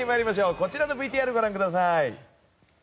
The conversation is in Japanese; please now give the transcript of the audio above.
こちらのＶＴＲご覧ください。